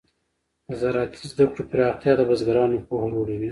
د زراعتي زده کړو پراختیا د بزګرانو پوهه لوړه وي.